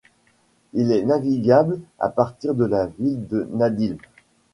Il est navigable à partir de la ville de Nadym.